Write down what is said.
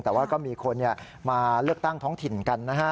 แต่ว่าก็มีคนมาเลือกตั้งท้องถิ่นกันนะฮะ